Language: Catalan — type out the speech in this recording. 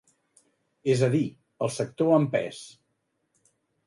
És a dir, el sector en pes.